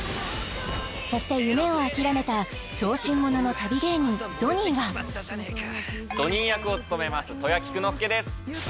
そして夢を諦めた小心者の旅芸人ドニーはドニー役を務めます戸谷菊之介です